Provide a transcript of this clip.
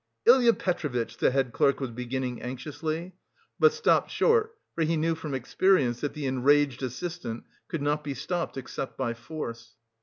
"Ilya Petrovitch!" the head clerk was beginning anxiously, but stopped short, for he knew from experience that the enraged assistant could not be stopped except by force.